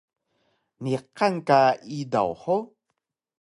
Niqan ka idaw hug?